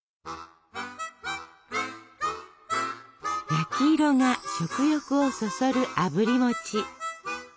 焼き色が食欲をそそるあぶり餅。